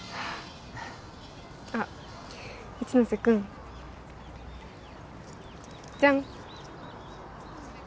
あっ一ノ瀬君じゃん！